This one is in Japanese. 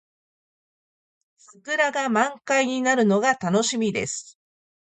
桜が満開になるのが楽しみです。